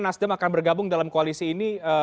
nasdem akan bergabung dalam koalisi ini